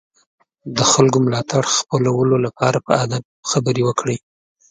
د خلکو ملاتړ خپلولو لپاره په ادب خبرې وکړئ.